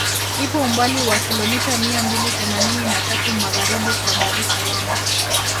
Ipo umbali wa kilometa mia mbili themanini na tatu magharibi kwa Dar es Salaam